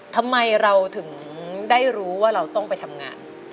ทำไมเราถึงได้รู้ว่าเราต้องไปทำงาน